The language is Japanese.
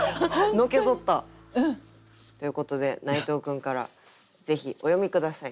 のけぞった。ということで内藤君からぜひお詠み下さい。